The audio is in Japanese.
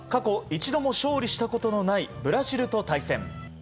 一度もも勝利したことのないブラジルと対戦。